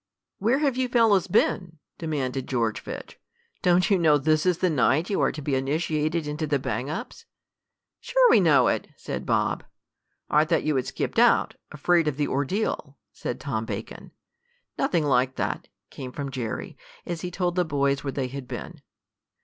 "Where have you fellows been?" demanded George Fitch. "Don't you know this is the night you are to be initiated into the Bang Ups?" "Sure we know it!" said Bob. "I thought you had skipped out afraid of the ordeal," said Tom Bacon. "Nothing like that," came from Jerry, as he told the boys where they had been.